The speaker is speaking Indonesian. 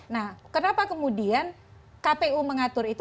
nah kenapa kemudian kpu mengatur itu